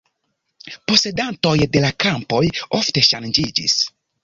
Posedantoj de la kampoj ofte ŝanĝiĝis.